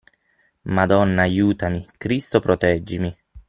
Madonna aiutami, Cristo proteggimi!